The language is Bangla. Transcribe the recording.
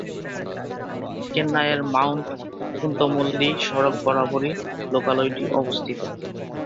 চেন্নাইয়ের মাউন্ট-পুন্তমল্লী সড়ক বরাবরই লোকালয়টি অবস্থিত।